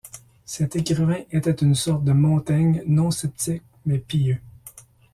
Cet écrivain était une sorte de Montaigne non sceptique mais pieux.